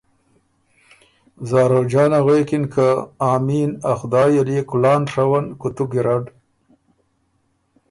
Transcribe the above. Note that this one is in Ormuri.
زاروجانه غوېکِن که ”آمین، ا خدای ال يې کلان ڒوّن، کُوتُو ګیرډ“